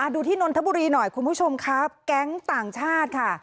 ดูที่นนทบุรีหน่อยคุณผู้ชมครับแก๊งต่างชาติค่ะ